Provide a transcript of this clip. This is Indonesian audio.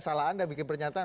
salah anda bikin pernyataan